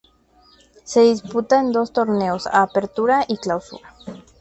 Se disputa en dos torneos: Apertura y Clausura.